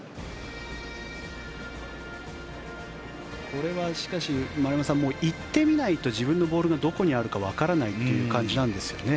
これはしかし丸山さん、行ってみないと自分のボールがどこにあるかわからないという感じなんですよね。